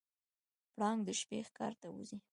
پړانګ د شپې ښکار ته وځي.